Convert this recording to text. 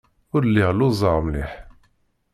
Ur lliɣ lluẓeɣ mliḥ.